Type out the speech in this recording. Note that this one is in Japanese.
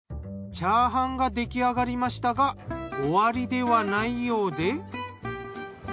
チャーハンが出来上がりましたが終わりではないようで。